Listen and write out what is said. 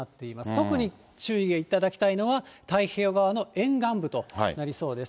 特に注意いただきたいのは、太平洋側の沿岸部となりそうです。